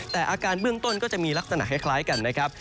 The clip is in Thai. แต่อาการเบื้องต้นก็จะมีลักษณะคล้ายกันนะครับ